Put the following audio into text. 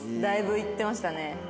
だいぶいってましたね。